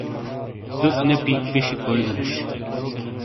دُت نے پییک پِیشی کوئی گہ نوش ۔